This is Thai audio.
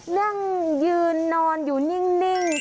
นั่งยืนนอนอยู่นิ่ง